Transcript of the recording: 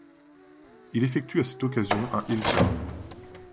Il effectue à cette occasion un Heel Turn.